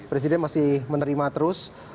presiden masih menerima terus